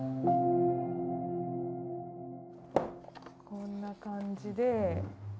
こんな感じで。